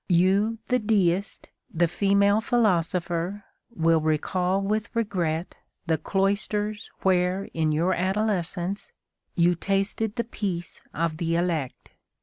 You, the deist, the female philosopher, will recall with regret the cloisters where in your adolescence you tasted the peace of the elect.